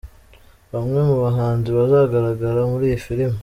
Bamwe mu bahanzi bazagaragara muri iyi filimi.